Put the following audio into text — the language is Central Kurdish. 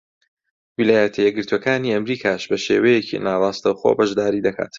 ویلایەتە یەکگرتووەکانی ئەمریکاش بە شێوەیەکی ناڕاستەوخۆ بەشداری دەکات.